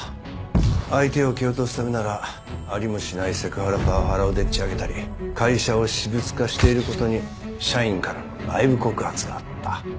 相手を蹴落とすためならありもしないセクハラパワハラをでっち上げたり会社を私物化していることに社員からの内部告発があった。